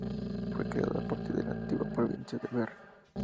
Fue creado a partir de la antigua provincia de Berry.